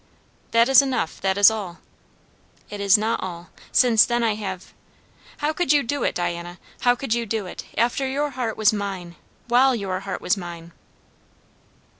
"That is enough. That is all." "It is not all. Since then I have" "How could you do it, Diana? how could you do it, after your heart was mine? while your heart was mine!"